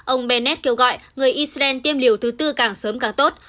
ông benned kêu gọi người israel tiêm liều thứ tư càng sớm càng tốt